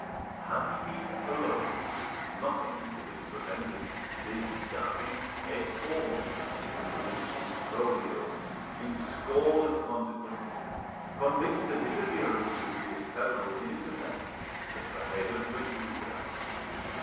Had he been alone, nothing would have prevented his dashing head foremost into this imbroglio, in scorn of consequence, convinced that his appearance would be as terrible in its effect as the head of Medusa.